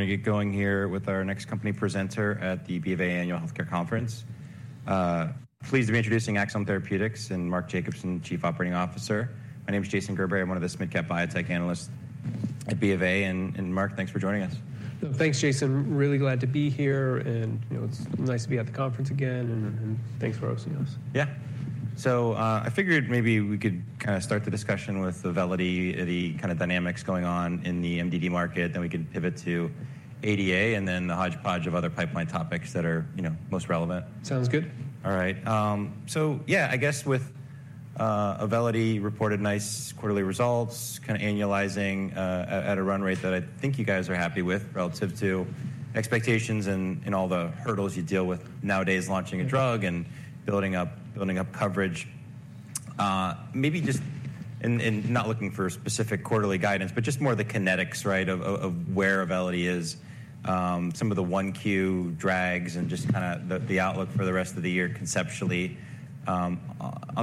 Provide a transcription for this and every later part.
We're gonna get going here with our next company presenter at the BofA Annual Healthcare Conference. Pleased to be introducing Axsome Therapeutics and Mark Jacobson, Chief Operating Officer. My name is Jason Gerberry. I'm one of the mid-cap biotech analysts at BofA, and Mark, thanks for joining us. Thanks, Jason. Really glad to be here, and, you know, it's nice to be at the conference again. Mm-hmm. And thanks for hosting us. Yeah. So, I figured maybe we could kinda start the discussion with the validity of the kind of dynamics going on in the MDD market. Then we could pivot to ADA, and then the hodgepodge of other pipeline topics that are, you know, most relevant. Sounds good. All right. So yeah, I guess with Auvelity reported nice quarterly results, kind of annualizing at a run rate that I think you guys are happy with, relative to expectations and all the hurdles you deal with nowadays, launching a drug- Mm-hmm. - and building up, building up coverage. Maybe just and not looking for specific quarterly guidance, but just more of the kinetics, right, of where Auvelity is, some of the 1Q drags, and just kinda the outlook for the rest of the year, conceptually. On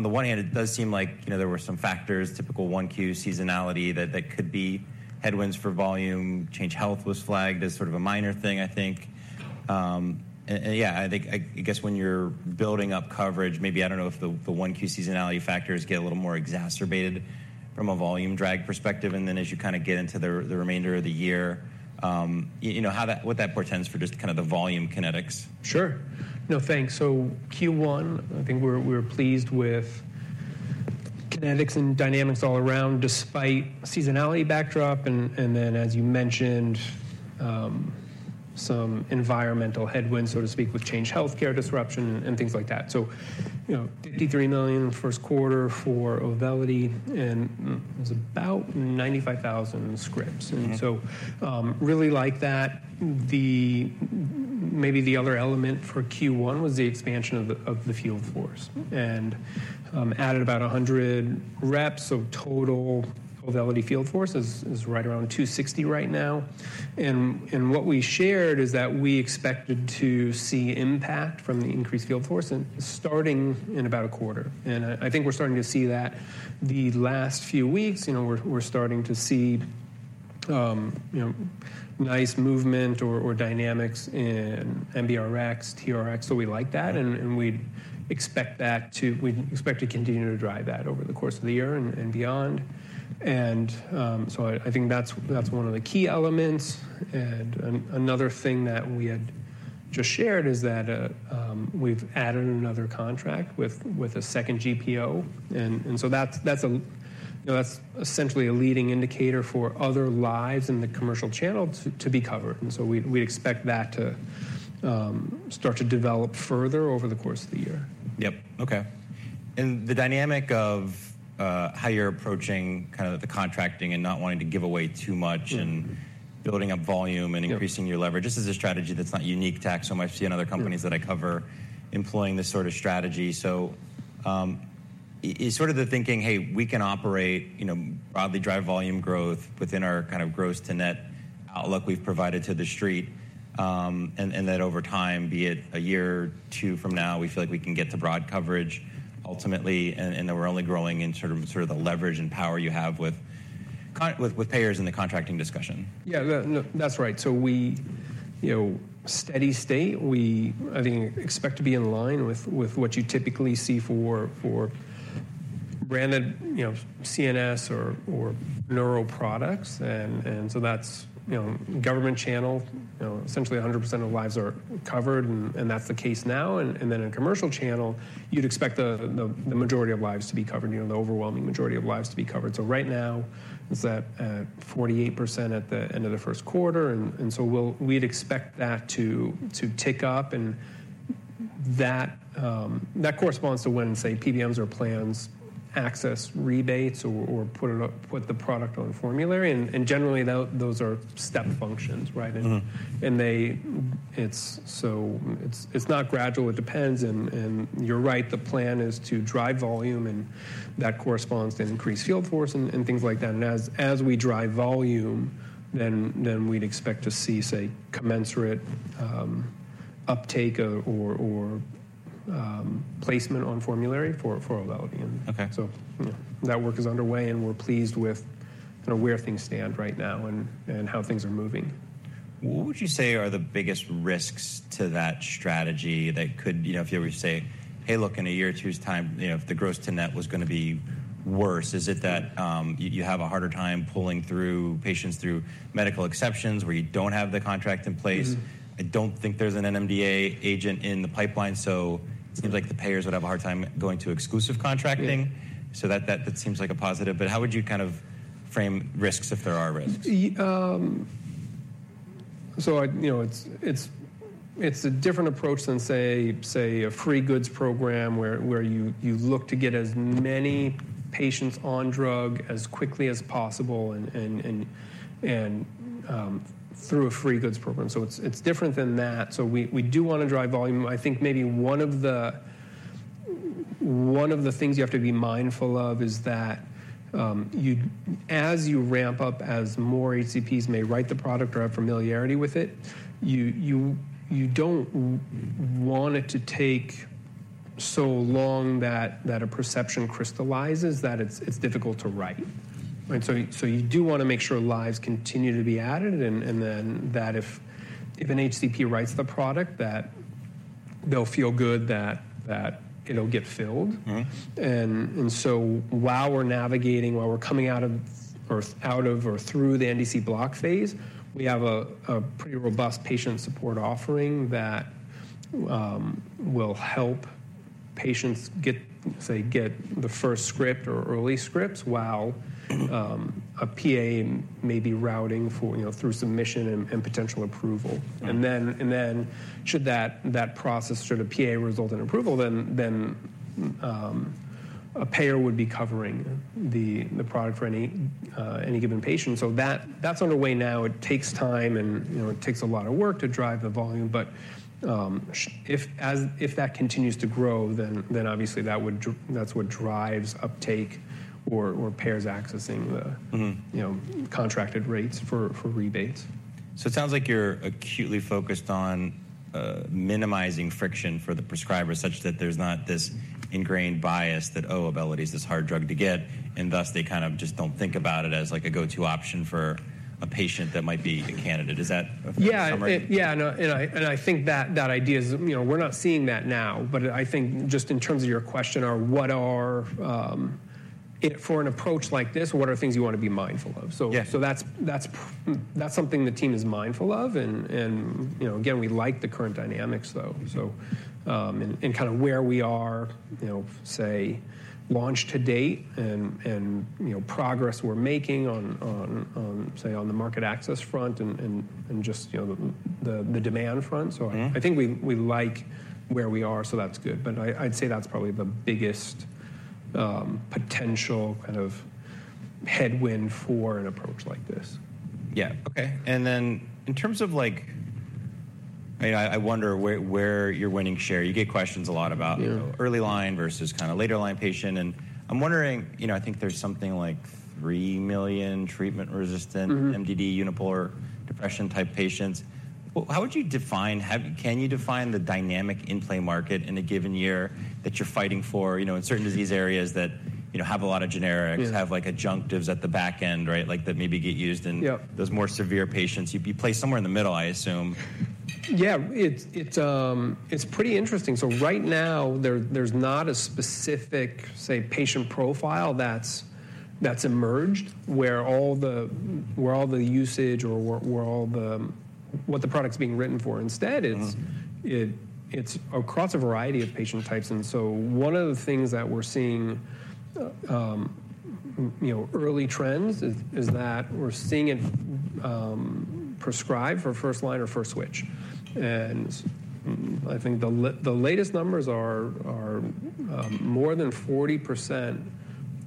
the one hand, it does seem like, you know, there were some factors, typical 1Q seasonality, that could be headwinds for volume. Change Healthcare was flagged as sort of a minor thing, I think. Yeah, I think, I guess when you're building up coverage, maybe, I don't know if the 1Q seasonality factors get a little more exacerbated from a volume drag perspective, and then as you kinda get into the remainder of the year, you know, what that portends for just kind of the volume kinetics. Sure. No, thanks. So Q1, I think we're pleased with kinetics and dynamics all around, despite seasonality backdrop, and then, as you mentioned, some environmental headwinds, so to speak, with Change Healthcare disruption and things like that. So, you know, $53 million in the first quarter for Auvelity, and it was about 95,000 scripts. Mm-hmm. So, really like that. Maybe the other element for Q1 was the expansion of the field force. Mm-hmm. And added about 100 reps, so total Auvelity field force is right around 260 right now. And what we shared is that we expected to see impact from the increased field force, and starting in about a quarter. And I think we're starting to see that. The last few weeks, you know, we're starting to see you know, nice movement or dynamics in NBRx, TRx, so we like that, and we'd expect to continue to drive that over the course of the year and beyond. So I think that's one of the key elements. And another thing that we had just shared is that, we've added another contract with a second GPO, and so that's, you know, that's essentially a leading indicator for other lives in the commercial channel to be covered. And so we expect that to start to develop further over the course of the year. Yep. Okay. And the dynamic of, how you're approaching kind of the contracting and not wanting to give away too much- Mm-hmm, mm-hmm. and building up volume Yeah... and increasing your leverage. This is a strategy that's not unique to Axsome. I see- Yeah - in other companies that I cover, employing this sort of strategy. So, is sort of the thinking, Hey, we can operate, you know, broadly drive volume growth within our kind of gross to net outlook we've provided to the street, and then over time, be it a year or two from now, we feel like we can get to broad coverage ultimately, and then we're only growing in sort of the leverage and power you have with payers in the contracting discussion. Yeah, yeah. No, that's right. So we, you know, steady state, we, I think, expect to be in line with, with what you typically see for, for branded, you know, CNS or, or neural products. And, and so that's, you know, government channel, you know, essentially 100% of lives are covered, and, and that's the case now. And, and then in commercial channel, you'd expect the, the, the majority of lives to be covered, you know, the overwhelming majority of lives to be covered. So right now, it's at, at 48% at the end of the first quarter, and, and so we'd expect that to, to tick up, and that, that corresponds to when, say, PBMs or plans access rebates or, or put the product on the formulary, and, and generally, those are step functions, right? Mm-hmm. It's not gradual. It depends. And you're right, the plan is to drive volume, and that corresponds to increased field force and things like that. And as we drive volume, then we'd expect to see, say, commensurate placement on formulary for Auvelity. Okay. So yeah, that work is underway, and we're pleased with, you know, where things stand right now and how things are moving. What would you say are the biggest risks to that strategy that could, you know, if you were to say, "Hey, look, in a year or two's time, you know, if the gross to net was gonna be worse," is it that you have a harder time pulling patients through medical exceptions, where you don't have the contract in place? Mm-hmm. I don't think there's an NMDA agent in the pipeline, so- Yeah Seems like the payers would have a hard time going to exclusive contracting. Yeah. So that seems like a positive. But how would you kind of frame risks if there are risks? So, you know, it's a different approach than, say, a free goods program, where you look to get as many patients on drug as quickly as possible and through a free goods program. So it's different than that. So we do wanna drive volume. I think maybe one of the things you have to be mindful of is that, as you ramp up, as more HCPs may write the product or have familiarity with it, you don't want it to take so long that a perception crystallizes, that it's difficult to write, right? So you do wanna make sure lives continue to be added, and then that if an HCP writes the product, that they'll feel good that it'll get filled. Mm-hmm. So while we're navigating while we're coming out of or through the NDC block phase, we have a pretty robust patient support offering that will help patients get, say, get the first script or early scripts while a PA may be routing for, you know, through submission and potential approval. Mm. Should that process, should a PA result in approval, then a payer would be covering the product for any given patient. So that's underway now. It takes time, and, you know, it takes a lot of work to drive the volume. But if that continues to grow, then obviously, that's what drives uptake or payers accessing the- Mm-hmm... you know, contracted rates for rebates. So it sounds like you're acutely focused on minimizing friction for the prescriber, such that there's not this ingrained bias that, "Oh, Auvelity is this hard drug to get," and thus, they kind of just don't think about it as like a go-to option for a patient that might be a candidate. Is that a fair summary? Yeah. Yeah, no, and I think that idea is, you know, we're not seeing that now, but I think just in terms of your question, what are, for an approach like this, the things you wanna be mindful of? Yeah. So, that's something the team is mindful of, and, you know, again, we like the current dynamics, though. So, and kind of where we are, you know, say, launched to date and, you know, progress we're making on, say, on the market access front and, just, you know, the demand front. Mm-hmm. So I think we like where we are, so that's good. But I'd say that's probably the biggest potential kind of headwind for an approach like this. Yeah. Okay, and then in terms of like... I, I wonder where, where you're winning share. You get questions a lot about- Yeah ...early line versus kind of later line patient, and I'm wondering, you know, I think there's something like 3 million treatment-resistant- Mm-hmm... MDD unipolar depression-type patients. Well, how can you define the dynamic in-play market in a given year that you're fighting for, you know, in certain disease areas that, you know, have a lot of generics- Yeah... have, like, adjunctives at the back end, right? Like, that maybe get used in- Yeah... those more severe patients. You'd be placed somewhere in the middle, I assume. Yeah, it's pretty interesting. So right now, there's not a specific, say, patient profile that's emerged, where all the usage or what the product is being written for. Instead, it's- Mm-hmm... it, it's across a variety of patient types, and so one of the things that we're seeing, you know, early trends is that we're seeing it prescribed for first line or first switch. And I think the latest numbers are more than 40%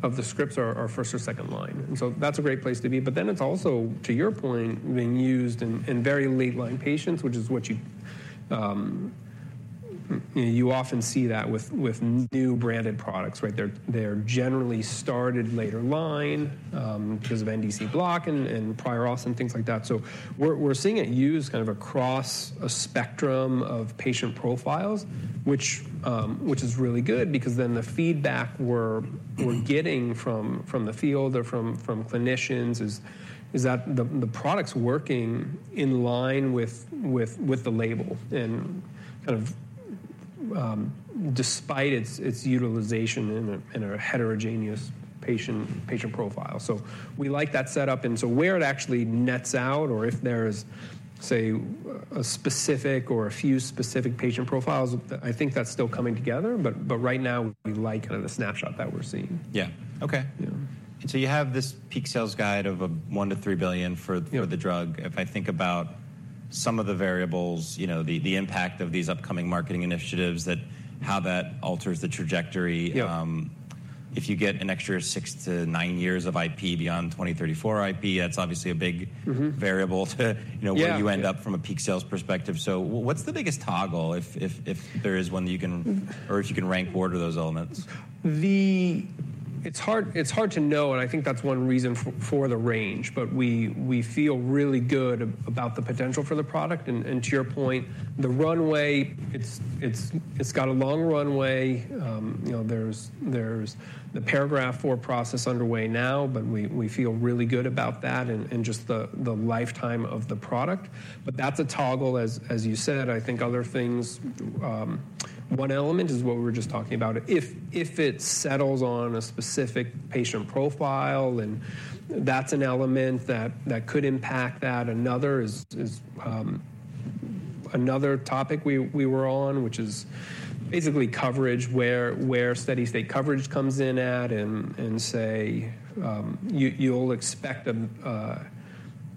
of the scripts are first or second line. And so that's a great place to be. But then it's also, to your point, being used in very late line patients, which is what you, you know, you often see that with new branded products, right? They're generally started later line because of NDC block and prior auth and things like that. So we're seeing it used kind of across a spectrum of patient profiles, which is really good because then the feedback we're getting from the field or from clinicians is that the product's working in line with the label and kind of despite its utilization in a heterogeneous patient profile. So we like that set up, and so where it actually nets out, or if there's, say, a specific or a few specific patient profiles, I think that's still coming together, but right now, we like kind of the snapshot that we're seeing. Yeah. Okay. Yeah. So you have this peak sales guide of a $1 billion-$3 billion for- Yeah... the drug. If I think about some of the variables, you know, the impact of these upcoming marketing initiatives, how that alters the trajectory- Yeah... if you get an extra 6-9 years of IP beyond 2034 IP, that's obviously a big- Mm-hmm... variable to, you know- Yeah... where you end up from a peak sales perspective. So what's the biggest toggle if there is one that you can- Mm... or if you can rank order those elements? It's hard, it's hard to know, and I think that's one reason for the range. But we feel really good about the potential for the product. And to your point, the runway, it's got a long runway. You know, there's the Paragraph IV process underway now, but we feel really good about that and just the lifetime of the product. But that's a toggle, as you said, I think other things, one element is what we were just talking about. If it settles on a specific patient profile, then that's an element that could impact that. Another topic we were on, which is basically coverage, where steady-state coverage comes in at, and say, you'll expect a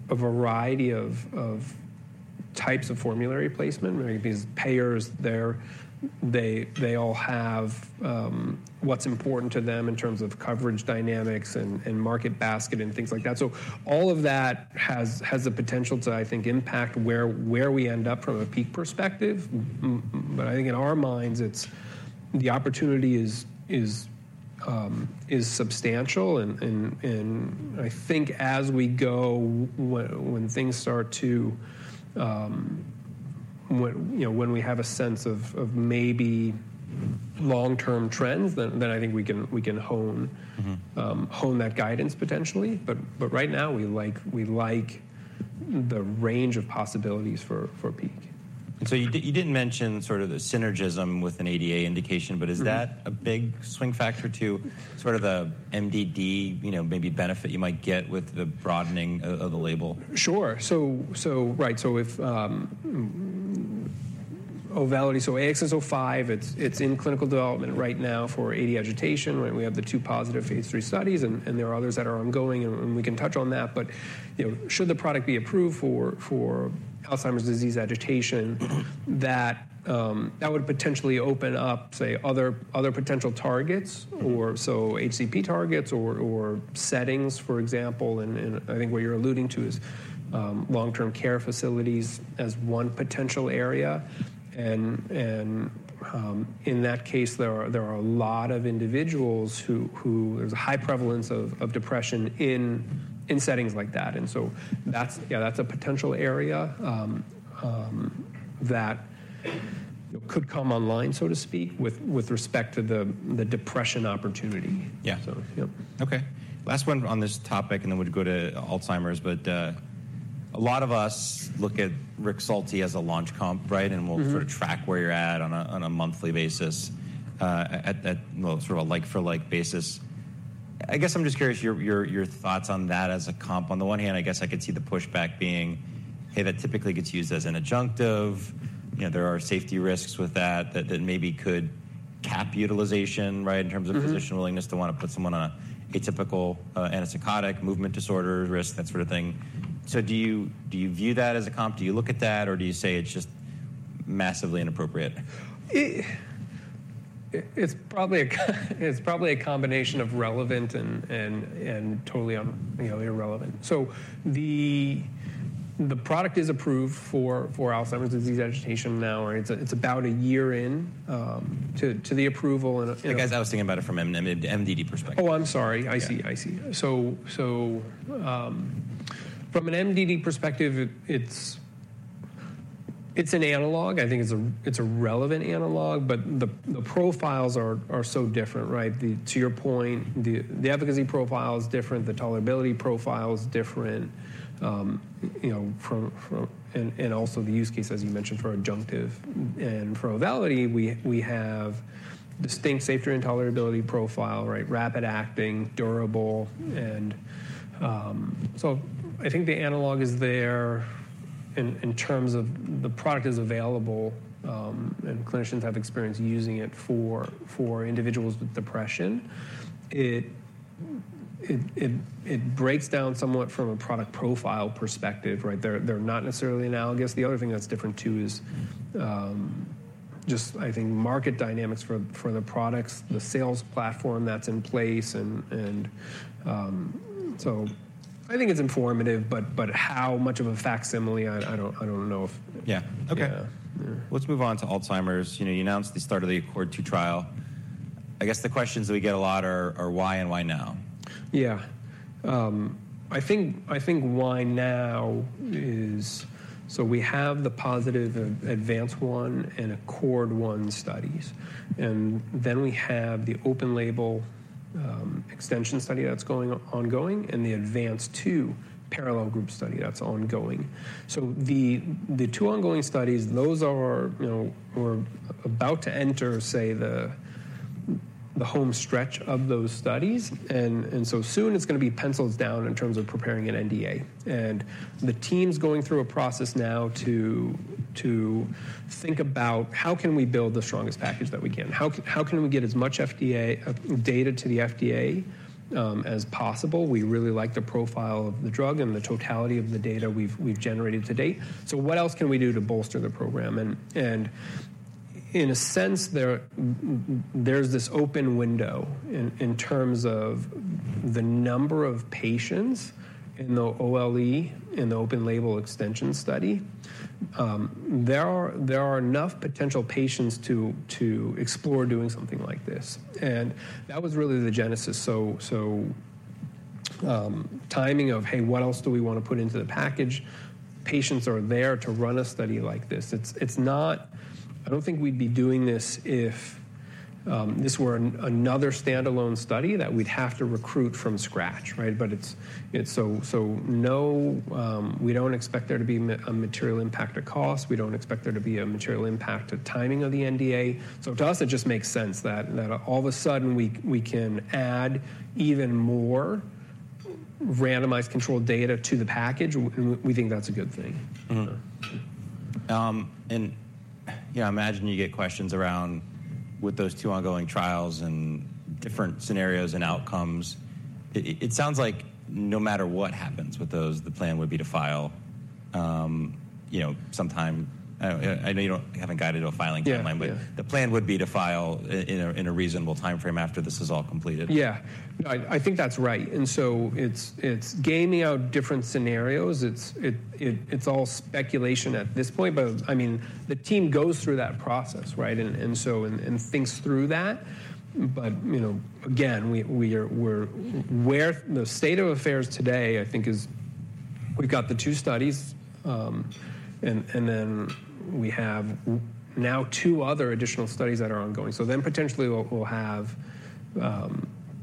variety of types of formulary placement, where these payers all have what's important to them in terms of coverage dynamics and market basket, and things like that. So all of that has the potential to, I think, impact where we end up from a peak perspective. But I think in our minds, it's... The opportunity is substantial, and I think as we go, when things start to, you know, when we have a sense of maybe long-term trends, then I think we can hone- Mm-hmm. Hone that guidance potentially. But right now, we like the range of possibilities for peak. So you didn't mention sort of the synergism with an ADA indication- Mm. But is that a big swing factor to sort of the MDD, you know, maybe benefit you might get with the broadening of, of the label? Sure. Right. So if Auvelity, so AXS-05, it's in clinical development right now for AD agitation, right? We have the two positive phase III studies, and there are others that are ongoing, and we can touch on that. But, you know, should the product be approved for Alzheimer's disease agitation, that would potentially open up, say, other potential targets- Mm. or so HCP targets or settings, for example, and I think what you're alluding to is long-term care facilities as one potential area. And in that case, there are a lot of individuals who... There's a high prevalence of depression in settings like that. And so that's- Mm. Yeah, that's a potential area that could come online, so to speak, with respect to the depression opportunity. Yeah. So, yep. Okay. Last one on this topic, and then we'll go to Alzheimer's. But, a lot of us look a Rexulti as a launch comp, right? Mm-hmm. We'll sort of track where you're at on a monthly basis, well, sort of a like-for-like basis. I guess I'm just curious your thoughts on that as a comp. On the one hand, I guess I could see the pushback being, hey, that typically gets used as an adjunctive. You know, there are safety risks with that that maybe could cap utilization, right? Mm-hmm. In terms of physician willingness to want to put someone on a typical, antipsychotic, movement disorder, risk, that sort of thing. So do you, do you view that as a comp? Do you look at that, or do you say it's just massively inappropriate? It's probably a combination of relevant and totally irrelevant, you know. So the product is approved for Alzheimer's disease agitation now, and it's about a year in to the approval. Yeah, I was thinking about it from an MDD perspective. Oh, I'm sorry. Yeah. I see. I see. So from an MDD perspective, it's an analog. I think it's a relevant analog, but the profiles are so different, right? To your point, the efficacy profile is different, the tolerability profile is different, you know, from... And also the use case, as you mentioned, for adjunctive. And for Auvelity, we have distinct safety and tolerability profile, right? Rapid acting, durable. So I think the analog is there in terms of the product is available, and clinicians have experience using it for individuals with depression. It breaks down somewhat from a product profile perspective, right? They're not necessarily analogous. The other thing that's different, too, is just, I think, market dynamics for the products, the sales platform that's in place and so I think it's informative, but how much of a facsimile? I don't know if- Yeah. Okay. Yeah. Let's move on to Alzheimer's. You know, you announced the start of the ACCORD II trial. I guess the questions we get a lot are: Why and why now? Yeah. I think, I think why now is... So we have the positive of ADVANCE I and ACCORD I studies, and then we have the open label extension study that's going ongoing, and the ADVANCE II parallel group study that's ongoing. So the two ongoing studies, those are, you know, we're about to enter, say, the home stretch of those studies. And so soon it's gonna be pencils down in terms of preparing an NDA. And the team's going through a process now to think about: How can we build the strongest package that we can? How can we get as much FDA data to the FDA as possible? We really like the profile of the drug and the totality of the data we've generated to date. So what else can we do to bolster the program? In a sense, there's this open window in terms of the number of patients in the OLE, in the open label extension study. There are enough potential patients to explore doing something like this. And that was really the genesis. Timing of, Hey, what else do we want to put into the package? Patients are there to run a study like this. It's not—I don't think we'd be doing this if this were another standalone study that we'd have to recruit from scratch, right? But it's no, we don't expect there to be a material impact or cost. We don't expect there to be a material impact of timing of the NDA. So to us, it just makes sense that all of a sudden we can add even more randomized controlled data to the package. We think that's a good thing. Mm-hmm. And, yeah, I imagine you get questions around with those two ongoing trials and different scenarios and outcomes. It sounds like no matter what happens with those, the plan would be to file, you know, sometime. I know you don't, haven't guided a filing timeline. Yeah, yeah. But the plan would be to file it in a reasonable timeframe after this is all completed. Yeah. I think that's right. And so it's gaming out different scenarios. It's all speculation at this point, but I mean, the team goes through that process, right? And so thinks through that. But you know, again, we are, we're-- where the state of affairs today, I think, is... We've got the two studies, and then we have now two other additional studies that are ongoing. So then potentially we'll have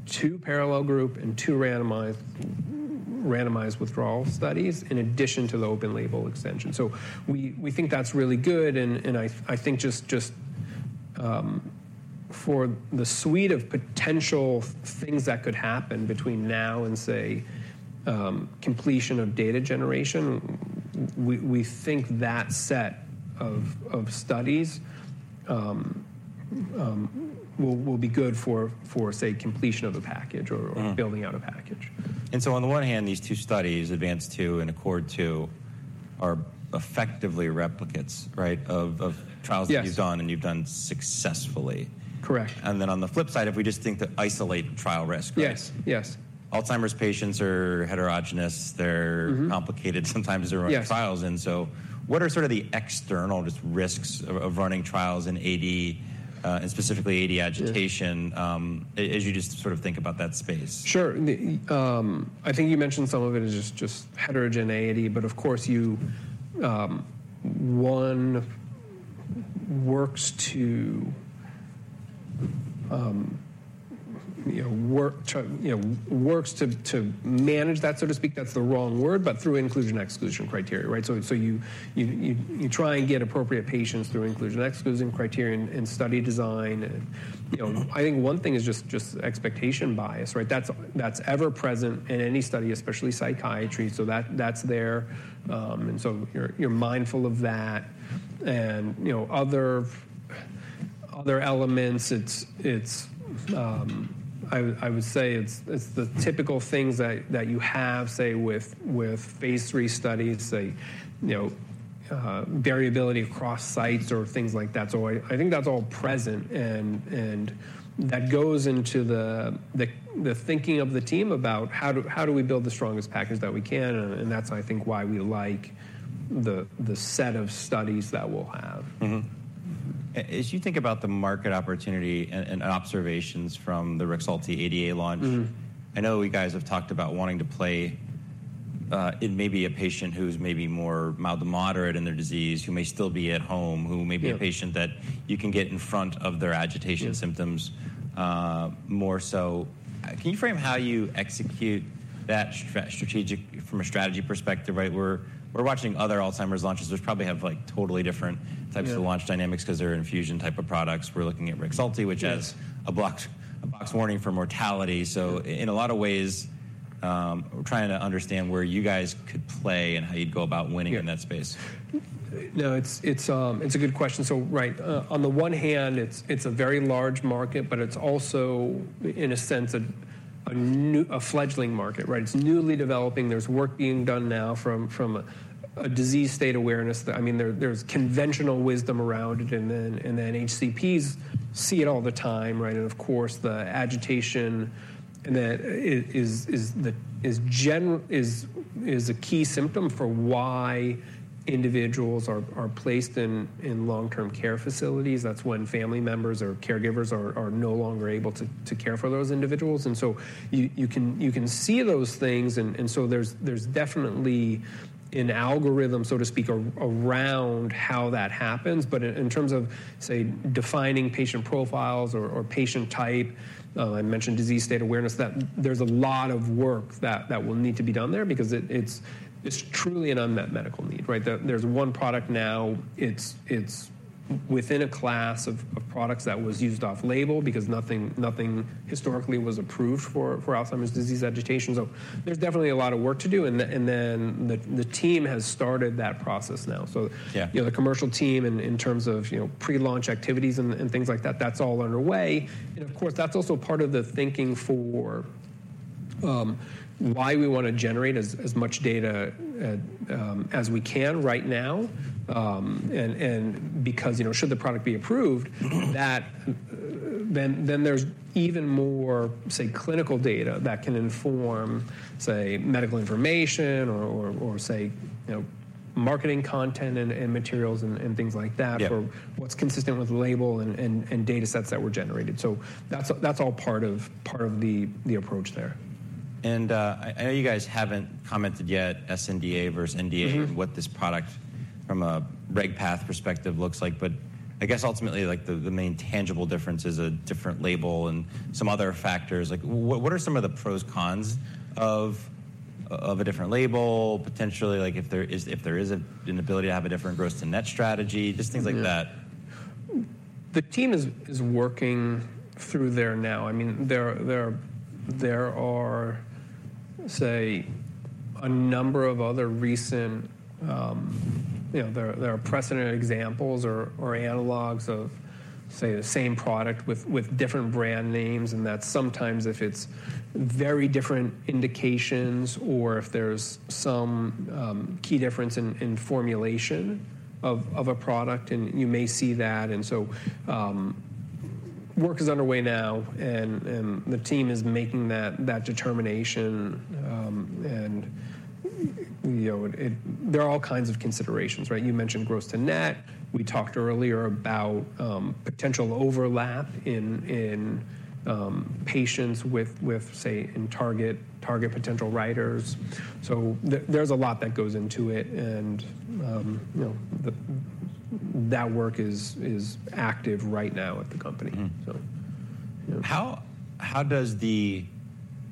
two parallel group and two randomized withdrawal studies in addition to the open label extension. So we think that's really good, and I think just for the suite of potential things that could happen between now and say, completion of data generation, we think that set of studies will be good for say, completion of a package or- Mm. building out a package. And so on the one hand, these two studies, ADVANCE II and ACCORD II, are effectively replicates, right? Of trials- Yes. that you've done, and you've done successfully. Correct. And then on the flip side, if we just think the isolated trial risk, right? Yes, yes. Alzheimer's patients are heterogeneous. They're- Mm-hmm. complicated, sometimes they're- Yes... running trials, and so what are sort of the external just risks of running trials in AD, and specifically AD agitation, as you just sort of think about that space? Sure. The, I think you mentioned some of it is just heterogeneity, but of course you, one works to, you know, work to, you know, works to, to manage that, so to speak. That's the wrong word, but through inclusion/exclusion criteria, right? So you try and get appropriate patients through inclusion/exclusion criteria and study design. And, you know, I think one thing is just expectation bias, right? That's ever present in any study, especially psychiatry. So that's there. And so you're mindful of that. And, you know, other elements, it's the typical things that you have say with phase III studies, say, you know, variability across sites or things like that. So I think that's all present and that goes into the thinking of the team about how do we build the strongest package that we can? And that's why I think why we like the set of studies that we'll have. Mm-hmm. As you think about the market opportunity and observations from the Rexulti ADA launch- Mm-hmm. I know you guys have talked about wanting to play in maybe a patient who's maybe more mild to moderate in their disease, who may still be at home- Yeah... who may be a patient that you can get in front of their agitation symptoms- Yeah... more so. Can you frame how you execute that strategic from a strategy perspective, right? We're watching other Alzheimer's launches, which probably have, like, totally different- Yeah... types of launch dynamics because they're infusion type of products. We're looking at Rexulti, which has- Yes... a black box warning for mortality. Yeah. In a lot of ways, we're trying to understand where you guys could play and how you'd go about winning in that space. Yeah. No, it's a good question. So right, on the one hand, it's a very large market, but it's also, in a sense, a new fledgling market, right? It's newly developing. There's work being done now from a disease state awareness. I mean, there's conventional wisdom around it, and then HCPs see it all the time, right? And of course, the agitation, and that is a key symptom for why individuals are placed in long-term care facilities. That's when family members or caregivers are no longer able to care for those individuals. And so you can see those things, and so there's definitely an algorithm, so to speak, around how that happens. But in terms of, say, defining patient profiles or patient type, I mentioned disease state awareness, that there's a lot of work that will need to be done there because it's truly an unmet medical need, right? There's one product now, it's within a class of products that was used off label because nothing historically was approved for Alzheimer's disease agitation. So there's definitely a lot of work to do, and then the team has started that process now. So- Yeah... you know, the commercial team in terms of, you know, pre-launch activities and things like that, that's all underway. And of course, that's also part of the thinking for why we want to generate as much data as we can right now. And because, you know, should the product be approved- Mm-hmm... that, then there's even more, say, clinical data that can inform, say, medical information or say, you know, marketing content and materials and things like that- Yeah... or what's consistent with label and data sets that were generated. So that's all part of the approach there. I know you guys haven't commented yet, sNDA versus NDA- Mm-hmm... or what this product from a reg path perspective looks like, but I guess ultimately, like the main tangible difference is a different label and some other factors. Like, what are some of the pros, cons of a different label, potentially, like if there is an ability to have a different gross to net strategy, just things like that? Yeah. The team is working through there now. I mean, there are, say, a number of other recent. You know, there are precedent examples or analogs of, say, the same product with different brand names, and that sometimes if it's very different indications or if there's some key difference in formulation of a product, and you may see that. And so work is underway now, and the team is making that determination. And, you know, there are all kinds of considerations, right? You mentioned gross to net. We talked earlier about potential overlap in patients with, say, in target potential writers. So there's a lot that goes into it, and, you know, that work is active right now at the company. Mm-hmm. So, yeah. How does the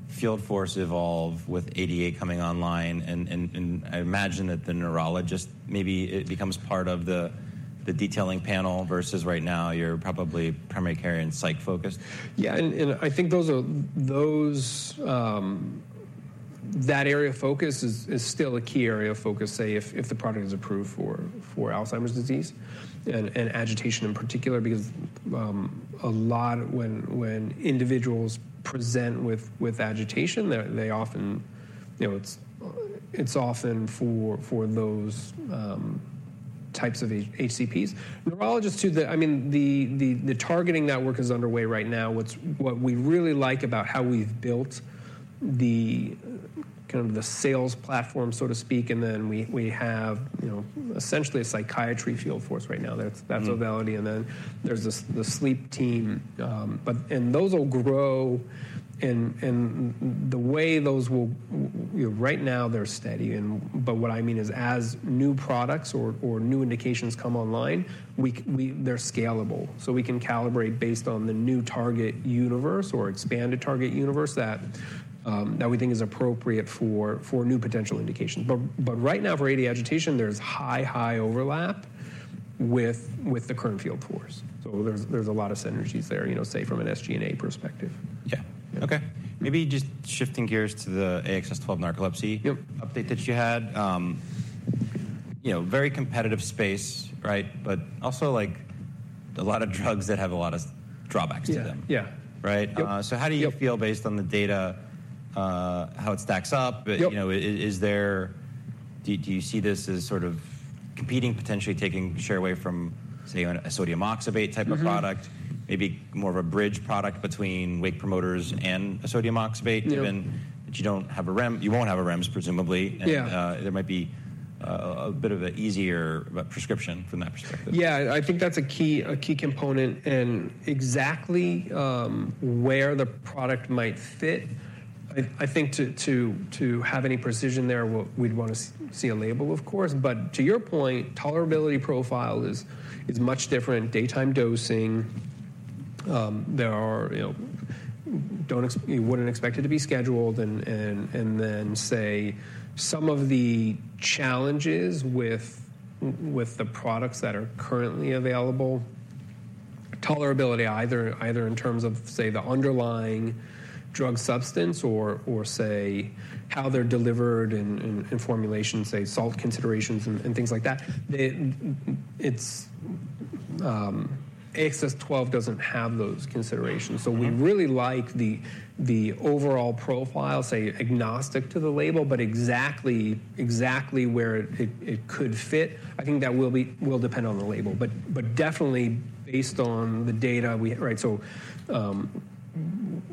field force evolve with ADA coming online? And I imagine that the neurologist, maybe it becomes part of the detailing panel, versus right now, you're probably primary care and psych-focused. Yeah, I think that area of focus is still a key area of focus, say, if the product is approved for Alzheimer's disease and agitation in particular, because a lot when individuals present with agitation, they often, you know, it's often for those types of HCPs. Neurologists, too. I mean, the targeting network is underway right now. What we really like about how we've built the sales platform, so to speak, and then we have, you know, essentially a psychiatry field force right now. Mm. That's Auvelity, and then there's the sleep team. Mm. But those will grow, and the way those will, you know, right now they're steady, and but what I mean is as new products or new indications come online, they're scalable. So we can calibrate based on the new target universe or expanded target universe that we think is appropriate for new potential indications. But right now, for AD agitation, there's high overlap with the current field force. So there's a lot of synergies there, you know, say, from an SG&A perspective. Yeah. Okay. Maybe just shifting gears to the AXS-12 narcolepsy- Yep... update that you had. You know, very competitive space, right? But also, like, a lot of drugs that have a lot of drawbacks to them. Yeah, yeah. Right? Yep. So how do you- Yep... feel based on the data, how it stacks up? Yep. You know, do you see this as sort of competing, potentially taking share away from, say, a sodium oxybate type of product? Mm-hmm. Maybe more of a bridge product between wake promoters and a sodium oxybate- Yep... even, but you don't have a REMS. You won't have a REMS, presumably. Yeah. And, there might be a bit of an easier prescription from that perspective. Yeah, I think that's a key, a key component and exactly where the product might fit. I think to have any precision there, we'd want to see a label, of course. But to your point, tolerability profile is much different, daytime dosing. There are, you know, you wouldn't expect it to be scheduled, and then, say, some of the challenges with the products that are currently available, tolerability, either in terms of the underlying drug substance or how they're delivered in formulation, say, salt considerations and things like that. It's AXS-12 doesn't have those considerations. Mm-hmm. So we really like the overall profile, say, agnostic to the label, but exactly where it could fit. I think that will depend on the label. But definitely based on the data we... Right, so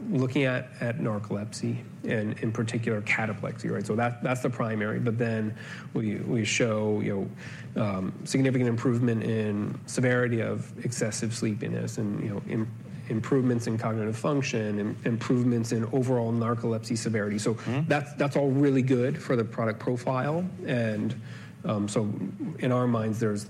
looking at narcolepsy and in particular, cataplexy, right? So that's the primary, but then we show, you know, significant improvement in severity of excessive sleepiness and, you know, improvements in cognitive function, improvements in overall narcolepsy severity. Mm-hmm. So that's all really good for the product profile. And so in our minds, there's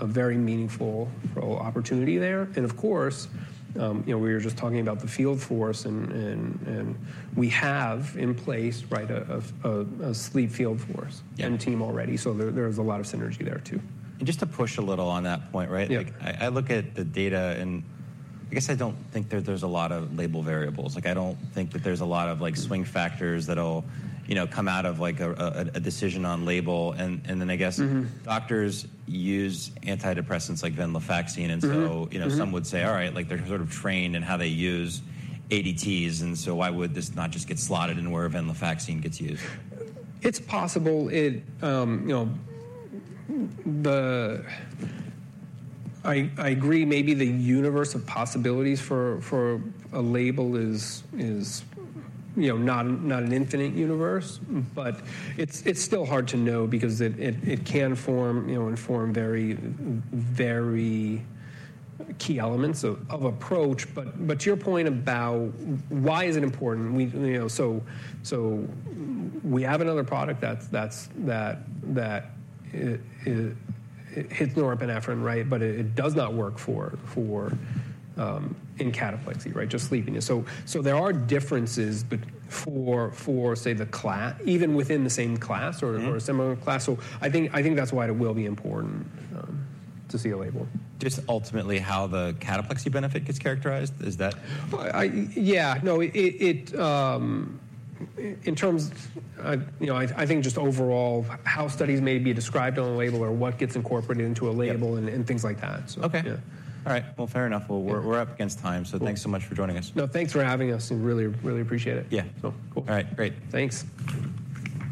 a very meaningful opportunity there. And of course, you know, we were just talking about the field force and we have in place, right, a sleep field force- Yeah ...and team already. So there, there's a lot of synergy there, too. Just to push a little on that point, right? Yeah. Like I look at the data, and I guess I don't think there's a lot of label variables. Like, I don't think that there's a lot of, like, swing factors that'll, you know, come out of like a decision on label. And then I guess- Mm-hmm... doctors use antidepressants like venlafaxine. Mm-hmm. And so- Mm-hmm... you know, some would say, all right, like they're sort of trained in how they use ADTs, and so why would this not just get slotted in where venlafaxine gets used? It's possible it, you know, I agree, maybe the universe of possibilities for a label is, you know, not an infinite universe. Mm. But it's still hard to know because it can form, you know, very, very key elements of approach. But to your point about why is it important? We, you know, so we have another product that hits norepinephrine, right? But it does not work for cataplexy, right? Just sleepiness. So there are differences, but for say, the class even within the same class or- Mm-hmm... or a similar class. So I think, I think that's why it will be important, to see a label. Just ultimately, how the cataplexy benefit gets characterized, is that- Yeah. No, in terms, you know, I think just overall, how studies may be described on a label or what gets incorporated into a label. Yeah... and things like that. Okay. Yeah. All right. Well, fair enough. Yeah. Well, we're up against time. Cool. Thanks so much for joining us. No, thanks for having us. We really, really appreciate it. Yeah. So, cool. All right, great. Thanks.